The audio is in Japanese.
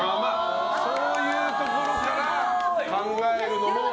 そういうところから考えるのも。